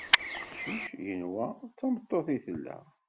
Aqcic yenwa d tameṭṭut i tella.